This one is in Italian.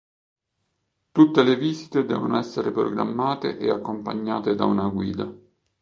Tutte le visite devono essere programmate e accompagnate da una guida.